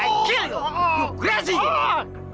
apa yang kamu inginkan dari aku